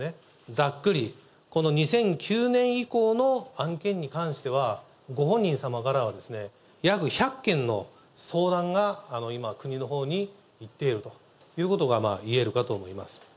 ざっくり、この２００９年以降の案件に関しては、ご本人様からは約１００件の相談が今、国のほうにいっているということが言えるかと思います。